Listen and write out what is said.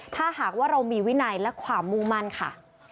ถ้าหากว่าเรามีวินัยและความมุ่งมั่นค่ะ